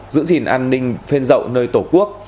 giữ gìn an ninh phên rậu nơi tổ quốc